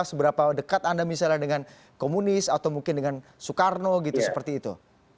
seberapa dekat anda misalnya dengan komunis atau mungkin dengan soekarno gitu seperti itu